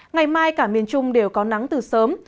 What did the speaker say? ngày mai cả miền trung đều có nắng từ sớm